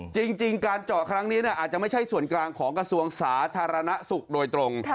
จริงการเจาะครั้งนี้อาจจะไม่ใช่ส่วนกลางของกระทรวงสาธารณสุขโดยตรง